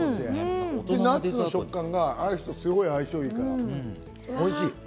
ナッツの食感がアイスと相性がいいからおいしい。